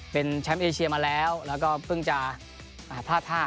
เป็นชัมเอเชียมาแล้วแล้วก็พึ่งจะท่าท่าตกรอบไป